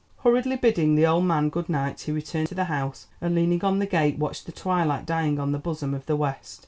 Hurriedly bidding the old man good night he returned to the house, and leaning on the gate watched the twilight dying on the bosom of the west.